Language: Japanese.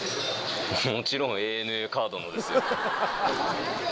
もちろんＡＮＡカードのですよ。